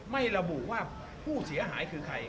ไม่ระบุว่าผู้เสียหายคือใคร